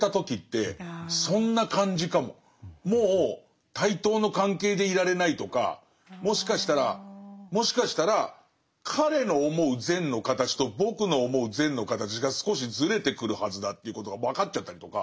もう対等の関係でいられないとかもしかしたらもしかしたら彼の思う善の形と僕の思う善の形が少しずれてくるはずだということが分かっちゃったりとか。